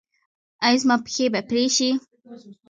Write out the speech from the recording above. ایا زما پښې به پرې شي؟